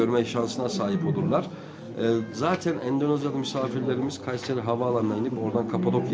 mereka bisa melihat tanda tanda sejarah di kayseri kapadokya